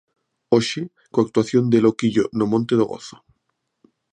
Hoxe, coa actuación de Loquillo no Monte do Gozo.